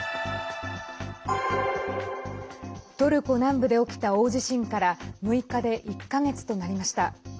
トルコ南部で起きた大地震から６日で１か月となりました。